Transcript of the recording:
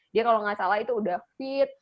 dia kalau nggak salah itu udah fit